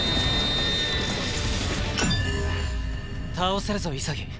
倒せるぞ潔。